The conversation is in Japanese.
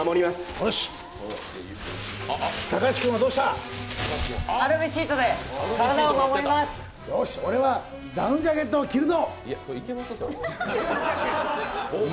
よし、俺はダウンジャケットを着るぞ。